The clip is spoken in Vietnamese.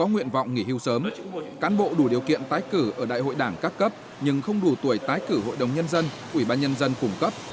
nhưng không đủ tuổi tái cử hội đồng nhân dân ủy ban nhân dân cũng cấp